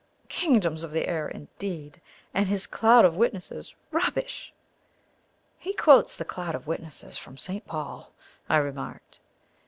Kingdoms of the air indeed! And his cloud of witnesses! Rubbish!" "He quotes the CLOUD OF WITNESSES from St. Paul," I remarked.